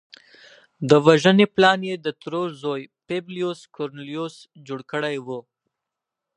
د وژنې پلان یې د ترور زوی پبلیوس کورنلیوس جوړ کړی و